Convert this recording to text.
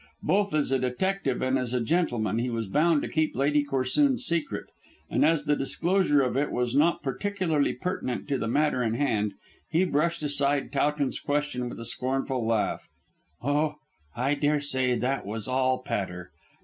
Both as a detective and as a gentleman he was bound to keep Lady Corsoon's secret, and as the disclosure of it was not particularly pertinent to the matter in hand he brushed aside Towton's question with a scornful laugh. "Oh, I daresay that was all patter.